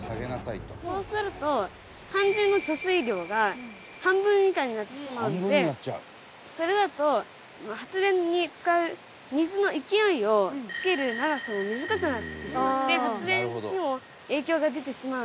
そうすると肝心の貯水量が半分以下になってしまってそれだと発電に使う水の勢いをつける長さも短くなってしまって発電にも影響が出てしまうので。